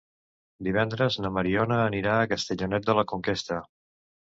Divendres na Mariona anirà a Castellonet de la Conquesta.